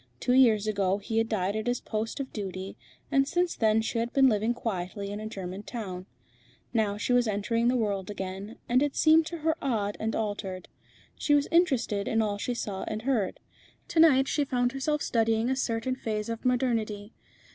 Two years ago he had died at his post of duty, and since then she had been living quietly in a German town. Now she was entering the world again, and it seemed to her odd and altered. She was interested in all she saw and heard. To night she found herself studying a certain phase of modernity.